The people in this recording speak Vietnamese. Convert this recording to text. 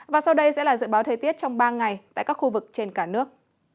và sau đây sẽ là dự báo thời tiết trong ba ngày tại các khu vực trên cả nước